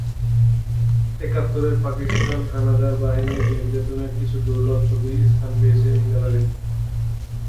একাত্তরের পাকিস্তান হানাদার বাহিনীর নির্যাতনের কিছু দুর্লভ ছবি স্থান পেয়েছে এই গ্যালারিতে।